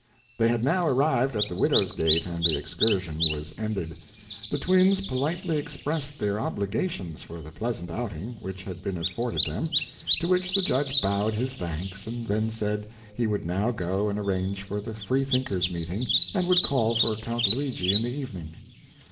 ] They had now arrived at the widow's gate, and the excursion was ended. The twins politely expressed their obligations for the pleasant outing which had been afforded them; to which the judge bowed his thanks, and then said he would now go and arrange for the Free thinkers' meeting, and would call for Count Luigi in the evening.